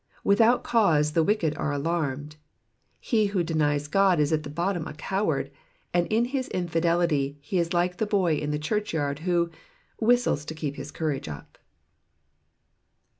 Without cause the wicked are alarmed. He who denies God is at bottom a coward, and in his infidelity he is like the boy in the churchyard who whistles to keep his courage up."